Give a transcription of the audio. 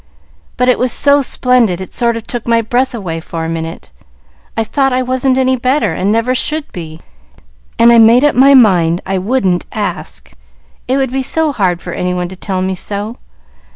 "But it was so splendid, it sort of took my breath away for a minute. I thought I wasn't any better, and never should be, and I made up my mind I wouldn't ask, it would be so hard for any one to tell me so.